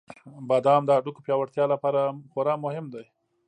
• بادام د هډوکو پیاوړتیا لپاره خورا مهم دی.